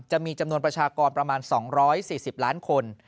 จะมีจำนวนประชากรประมาณ๒๔๐ล้านคน